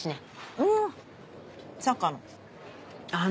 うんサッカーの。